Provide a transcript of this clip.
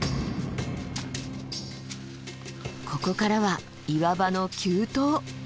ここからは岩場の急登。